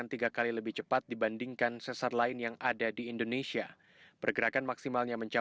pengamat lebih menilai sesar ini lebih cepat pergerakannya